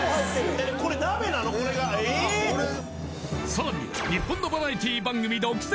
さらに日本のバラエティ番組独占！